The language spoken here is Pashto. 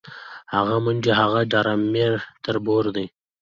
هغه منډې، هغه ډار میړه تربور دی